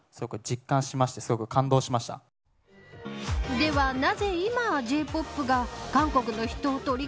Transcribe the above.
ではなぜ今Ｊ‐ＰＯＰが韓国の人をとり